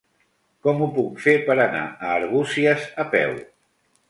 Com ho puc fer per anar a Arbúcies a peu?